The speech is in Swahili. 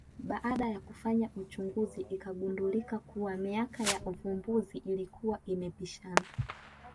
Baada ya kufanya uchunguzi ikagundulika kuwa miaka ya uvumbuzi ilikuwa imepishana